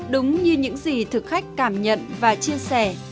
đúng như những gì thực khách cảm nhận và chia sẻ